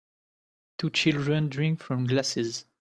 Two children drink from glasses.